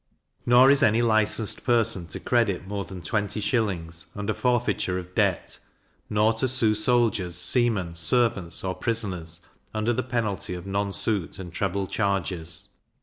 Nor is any licenced person to credit more than twenty shillings, under forfeiture of debt; nor to sue soldiers, seamen, servants, or prisoners, under the penalty of nonsuit and treble charges.